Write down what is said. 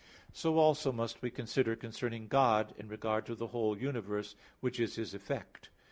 So also must we consider concerning God in regard to the whole universe, which is His effect.